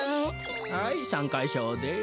はいさんかしょうです。